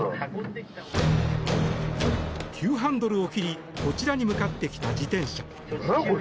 急ハンドルを切りこちらに向かってきた自転車。